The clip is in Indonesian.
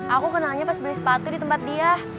aku kenalnya pas beli sepatu di tempat dia